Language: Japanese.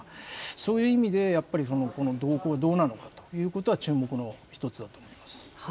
そういう意味でやっぱり、この動向がどうなのかということは、注目の一つだと思います。